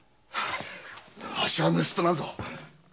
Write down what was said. あっしは盗っ人なんぞ。